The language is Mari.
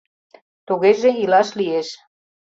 Тугеже илаш лиеш.